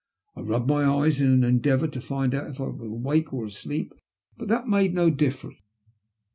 I rubbed my eyes in an endeavoor to find out if I were awake or asleep, but that made no difference.